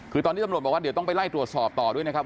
คือตอนนี้ตำรวจบอกว่าเดี๋ยวต้องไปไล่ตรวจสอบต่อด้วยนะครับ